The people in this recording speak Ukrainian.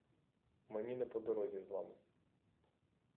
Мені не по дорозі з вами.